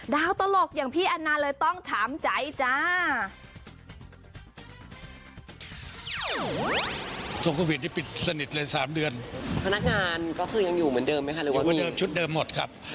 ตลกอย่างพี่แอนนาเลยต้องถามใจจ้า